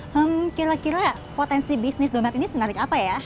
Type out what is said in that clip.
hmm kira kira potensi bisnis domes ini senarik apa ya